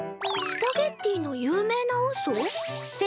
スパゲッティの有名なうそ？